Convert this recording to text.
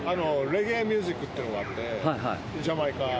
レゲエミュージックというのがあって、ジャマイカ。